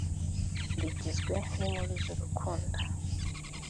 rugizwe n’inkuru z’urukundo